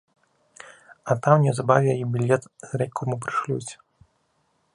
А там неўзабаве й білет з райкому прышлюць.